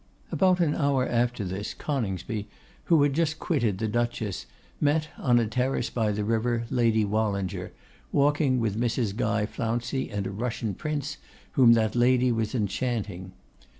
About an hour after this, Coningsby, who had just quitted the Duchess, met, on a terrace by the river, Lady Wallinger, walking with Mrs. Guy Flouncey and a Russian Prince, whom that lady was enchanting.